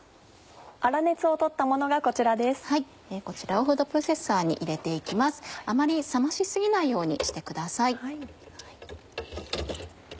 あまり冷まし過ぎないようにしてください。